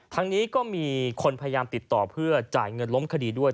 ทั้งนี้ก็มีคนพยายามติดต่อเพื่อจ่ายเงินล้มคดีด้วย